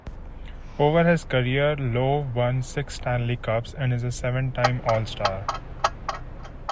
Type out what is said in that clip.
Over his career, Lowe won six Stanley Cups and is a seven-time all-star.